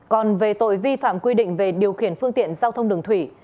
còn về tội vi phạm quy định về điều khiển phương tiện giao thông đường thủy